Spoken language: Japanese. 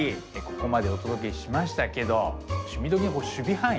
ここまでお届けしましたけど「趣味どきっ！」